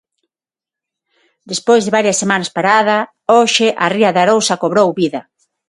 Despois de varias semanas parada, hoxe a ría de Arousa cobrou vida.